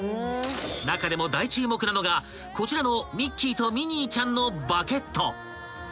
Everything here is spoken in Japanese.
［中でも大注目なのがこちらのミッキーとミニーちゃんのバケット］